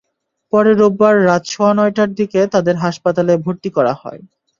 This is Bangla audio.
পরে রোববার রাত সোয়া নয়টার দিকে তাঁদের হাসপাতালে ভর্তি করা হয়।